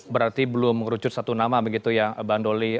berarti belum mengerucut satu nama begitu ya bandoli